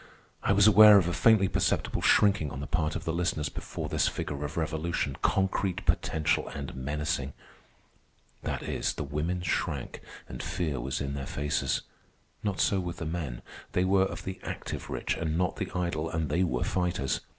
I was aware of a faintly perceptible shrinking on the part of the listeners before this figure of revolution, concrete, potential, and menacing. That is, the women shrank, and fear was in their faces. Not so with the men. They were of the active rich, and not the idle, and they were fighters.